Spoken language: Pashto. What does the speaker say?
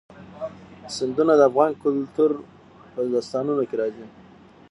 سیندونه د افغان کلتور په داستانونو کې راځي.